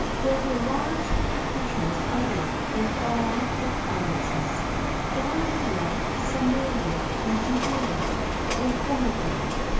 There were large plantations of it in all the provinces: Galilea, Samaria, and Judea, were full of them.